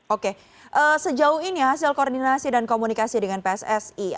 oke sejauh ini hasil koordinasi dan komunikasi dengan pssi